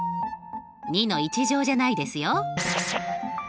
２の１乗じゃないですよ。